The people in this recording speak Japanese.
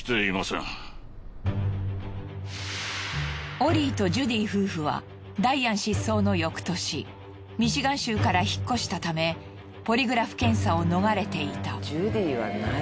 オリーとジュディ夫婦はダイアン失踪の翌年ミシガン州から引っ越したためポリグラフ検査を逃れていた。